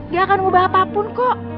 gak akan ubah apapun kok